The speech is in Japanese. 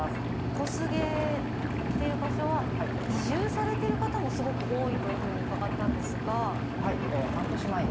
小菅っていう場所は移住されてる方もすごく多いというふうに伺ったんですが。